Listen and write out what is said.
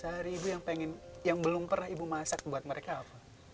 mbak sari ibu yang belum pernah ibu masak buat mereka apa